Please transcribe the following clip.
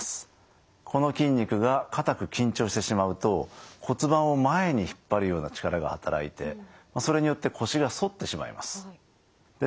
この筋肉が硬く緊張してしまうと骨盤を前に引っ張るような力が働いてそれによって腰が反ってしまいます。